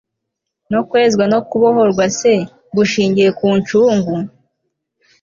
no kwezwa no kubohorwa c gushingiye ku ncungu